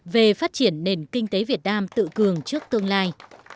về phát triển nền kinh tế việt nam tự cường trước tương lai